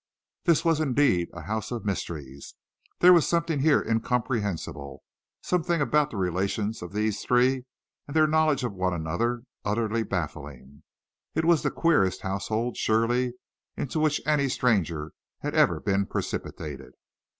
This was indeed a house of mysteries! There was something here incomprehensible, some thing about the relations of these three and their knowledge of one another, utterly baffling. It was the queerest household, surely, into which any stranger had ever been precipitated.